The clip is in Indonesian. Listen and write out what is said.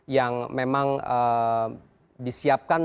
yang memang disiapkan